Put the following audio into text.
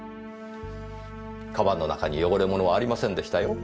鞄の中に汚れ物はありませんでしたよ。